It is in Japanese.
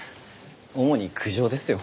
主に苦情ですよ。